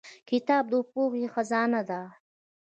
کتاب د پوهې خزانه ده